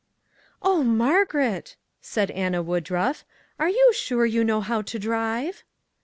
" O Margaret," said Anna Woodruff, " are you sure you know how to drive?